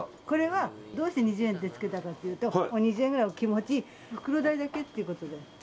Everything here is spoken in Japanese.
これはどうして２０円ってつけたかというと２０円くらい気持ち袋代だけっていうことで。